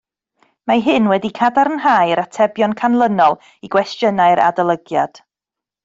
Mae hyn wedi cadarnhau'r atebion canlynol i gwestiynau'r adolygiad